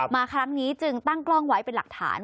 มาครั้งนี้จึงตั้งกล้องไว้เป็นหลักฐาน